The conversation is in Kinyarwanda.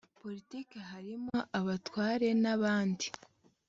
politike harimo abatwaren’abandi.